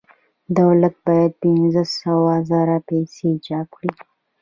دولت باید پنځه سوه زره پیسې چاپ کړي